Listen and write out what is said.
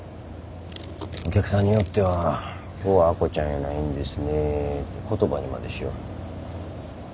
お客さんによっては「今日は亜子ちゃんやないんですね」って言葉にまでしよる。